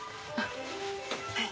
はい。